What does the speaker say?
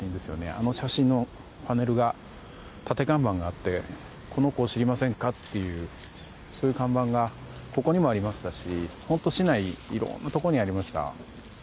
あの写真の立て看板があってこの子を知りませんかっていうそういう看板がここにもありましたし本当、市内いろんなところにありました。